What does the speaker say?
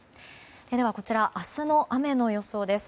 こちらは明日の雨の予想です。